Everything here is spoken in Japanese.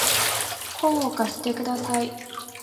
本を貸してください